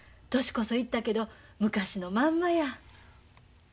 年こそいったけど昔のまんまや。